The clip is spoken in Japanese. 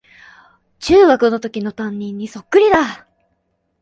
中学のときの担任にそっくりだ